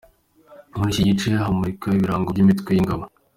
Muri iki gice hamurikwa ibirango by’imitwe y’ingabo.